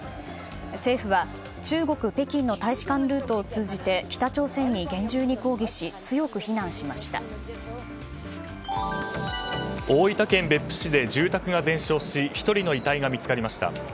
政府は中国・北京の大使館ルートを通じて北朝鮮に厳重に抗議し大分県別府市で住宅が全焼し１人の遺体が見つかりました。